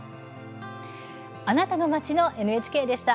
「あなたの街のＮＨＫ」でした。